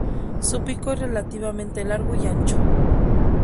Su pico es relativamente largo y ancho.